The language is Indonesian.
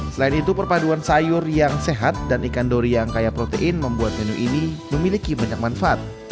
selain itu perpaduan sayur yang sehat dan ikan dori yang kaya protein membuat menu ini memiliki banyak manfaat